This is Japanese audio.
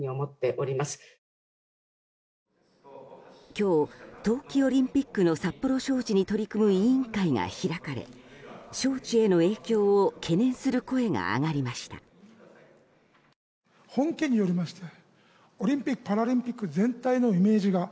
今日、冬季オリンピックの札幌招致に取り組む委員会が開かれ、招致への影響を懸念する声が上がりました。